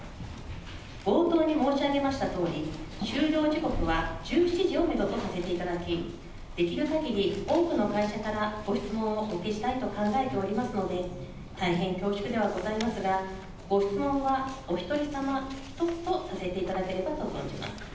冒頭に申し上げましたとおり、終了時刻は１７時をメドとさせていただき、できるかぎり多くの会社からご質問をお受けしたいと考えておりますので、大変恐縮ではございますが、ご質問はお１人様１つとさせていただければと存じます。